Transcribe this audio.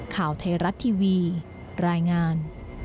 ข่าวไทยรัฐทีวีรายงาน